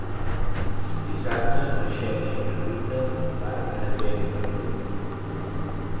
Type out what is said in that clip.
Dissabte na Xènia i na Rita van a Benimarfull.